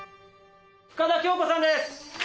深田恭子さんです